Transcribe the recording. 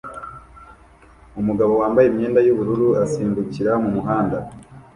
Umugabo wambaye imyenda yubururu asimbukira mu muhanda